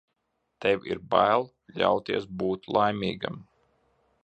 Tev ir bail ļauties būt laimīgam.